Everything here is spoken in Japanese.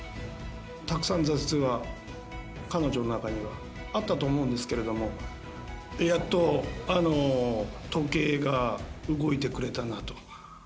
たくさん挫折が彼女の中にはあったと思うんですけれども、やっと時計が動いてくれたなと。